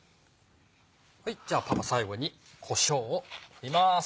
じゃあパパ最後にこしょうを振ります。